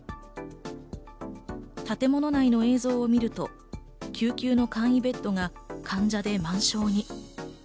建物内の映像を見ると救急の簡易ベッドが患者で満床に。